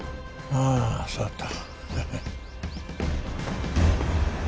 ああそうだった。